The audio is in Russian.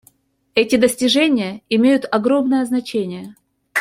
Эти достижения имеют огромное значение.